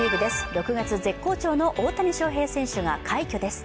６月絶好調の大谷翔平選手が快挙です。